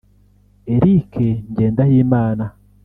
Eric Ngendahimana